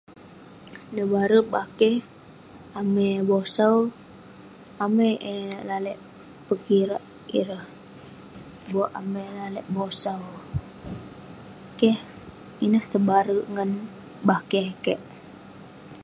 Nebarek bakeh, amai bosau, amai eh lalek pekirak ireh, buak amai lalek bosau, keh. Ineh tebarek ngan bakeh keik.